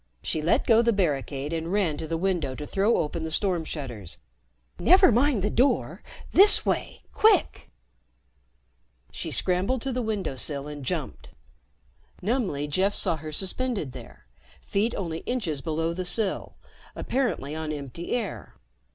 She let go the barricade and ran to the window to throw open the storm shutters. "Never mind the door. This way, quick!" She scrambled to the window sill and jumped. Numbly, Jeff saw her suspended there, feet only inches below the sill, apparently on empty air.